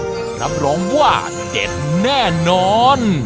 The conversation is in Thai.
รับรองว่าเด็ดแน่นอน